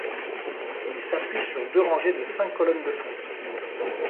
Il s'appuie sur deux rangées de cinq colonnes de fonte.